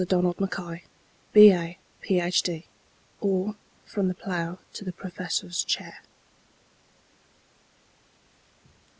DONALD MACKAY, B.A., Ph.D.; OR, FROM THE PLOW TO THE PROFESSOR'S CHAIR.